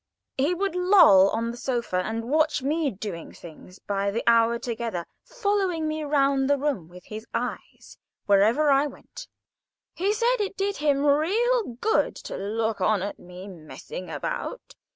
He would loll on the sofa and watch me doing things by the hour together, following me round the room with his eyes, wherever I went. He said it did him real good to look on at me, messing about.